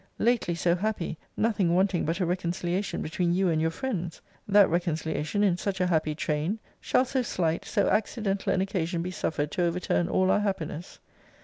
Lately so happy nothing wanting but a reconciliation between you and your friends! That reconciliation in such a happy train shall so slight, so accidental an occasion be suffered to overturn all our happiness?